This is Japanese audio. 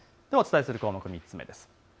お伝えする項目、３つ目です。